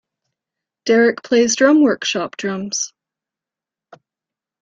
Derek plays Drum Workshop drums.